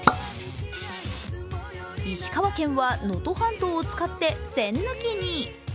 石川県は能登半島を使って栓抜きに。